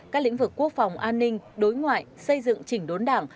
các lĩnh vực quốc phòng an ninh đối ngoại xây dựng chỉnh đốn đảng